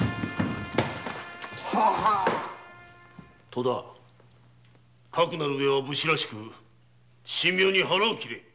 戸田かくなる上は武士らしく神妙に腹を切れ！